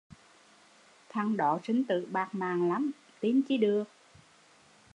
Thằng đó sinh tử bạt mạng lắm, tin chi được